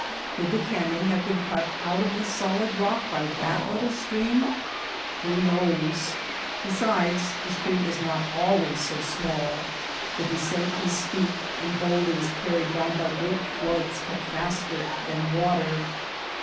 Could the canyon have been cut out of the solid rock by that little stream ? Who knows ! Besides, the stream is not always so small. The descent is steep, and bowlders car ried down by great floods cut faster than water.